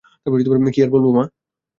কি আর বলবো মা?